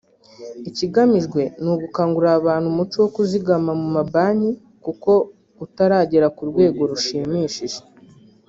ikigamijwe ni ugukangurira abantu umuco wo kuzigama mu mabanki kuko utaragera ku rwego rushimishije